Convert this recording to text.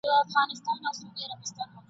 ملالۍ مي سي ترسترګو ګل یې ایښی پر ګرېوان دی ..